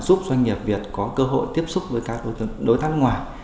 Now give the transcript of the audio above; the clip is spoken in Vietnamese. giúp doanh nghiệp việt có cơ hội tiếp xúc với các đối tác nước ngoài